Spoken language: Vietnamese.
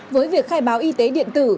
với việc khai báo y tế điện tử